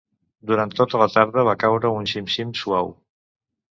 Durant tota la tarda va caure un xim-xim suau.